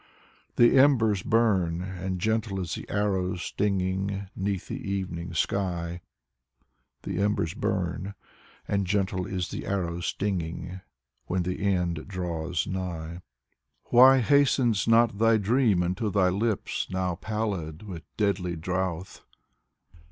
The embers bum, and gentle is the arrow's stinging, 'Neath the evening sky. The embers burn, and gentle is the arrow's stinging, When the end draws nigh. Why hastens not thy dream unto thy lips, now pallid With deadly drouth?